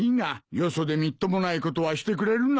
よそでみっともないことはしてくれるな。